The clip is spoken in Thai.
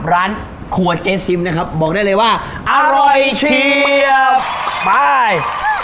ร้านขวดเจซิมนะครับบอกได้เลยว่าอร่อยเชียบไป